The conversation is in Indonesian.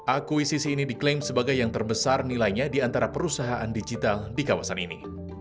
akuisisi ini diklaim sebagai yang terbesar nilainya di antara perusahaan digital di kawasan ini